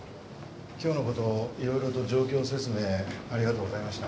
今日のこといろいろと状況説明ありがとうございました。